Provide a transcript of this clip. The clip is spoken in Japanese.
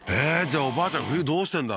じゃあおばあちゃん